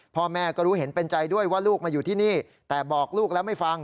พ่อแม่ก็รู้เห็นเป็นใจด้วยว่าลูกมาอยู่ที่นี่แต่บอกลูกแล้วไม่ฟัง